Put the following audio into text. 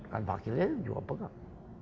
kan pakilnya juga pegang